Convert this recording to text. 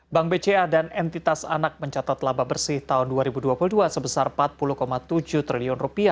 bank bca dan entitas anak mencatat laba bersih tahun dua ribu dua puluh dua sebesar rp empat puluh tujuh triliun